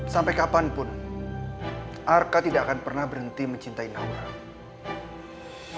sampai kapanpun arka tidak akan pernah berhenti mencintai aura